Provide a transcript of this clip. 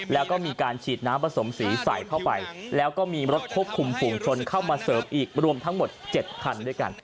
แล้วก็มีการฉีดน้ำผสมสีใส่เข้าไปแล้วก็มีรถควบคุมฝุงชนเข้ามาเสริมอีกรวมทั้งหมด๗คันด้วยกัน